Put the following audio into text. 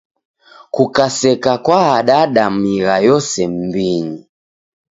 Kukaseka kwaadada migha yose m'mbinyi.